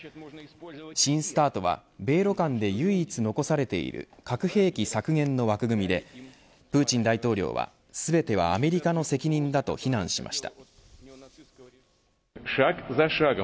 新ＳＴＡＲＴは米ロ間で唯一残されている核兵器削減の枠組みでプーチン大統領は全てはアメリカの責任だと非難しました。